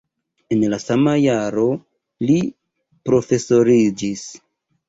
En la sama jaro li profesoriĝis.